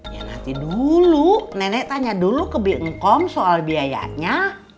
ya nanti dulu nenek tanya dulu ke biongkom soal biayanya